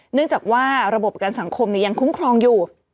เนื่องจากว่าระบบประกันสังคมยังคุ้มครองอยู่